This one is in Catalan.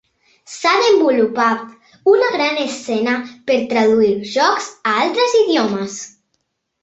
S'ha desenvolupat una gran escena per traduir jocs a altres idiomes.